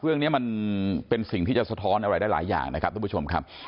เรื่องนี้มันเป็นสิ่งที่จะสะท้อนอะไรได้หลายอย่างนะครับทุกผู้ชมครับ